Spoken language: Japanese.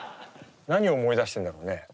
何を思い出してるんだろうね。